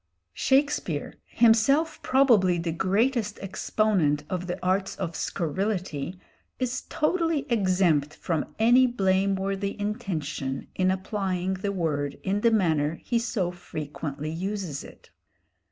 Shakespeare, himself probably the greatest exponent of the arts of scurrility, is totally exempt from any blameworthy intention in applying the word in the manner he so frequently uses it.